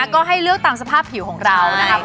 ก็ให้เลือกตามสภาพผิวของเรานะครับ